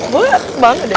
buat banget deh